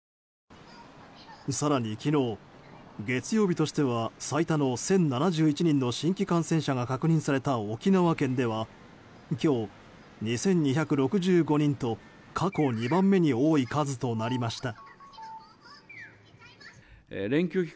更に昨日月曜日としては最多の１０７１人の新規感染者が確認された沖縄県では今日２２６５人と過去２番目に多い数となりました。